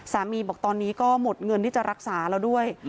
สามีบอกตอนนี้ก็หมดเงินที่จะรักษาแล้วด้วย